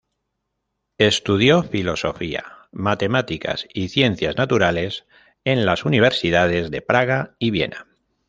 Estudió filosofía, matemáticas y ciencias naturales en las universidades de Praga y Viena.